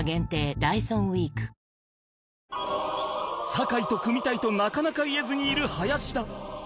酒井と組みたいとなかなか言えずにいる林田